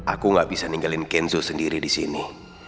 aku gak bisa ninggalin kenzo sendiri di sini